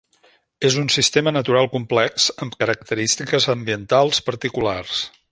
És un sistema natural complex, amb característiques ambientals particulars.